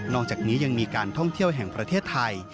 อกจากนี้ยังมีการท่องเที่ยวแห่งประเทศไทย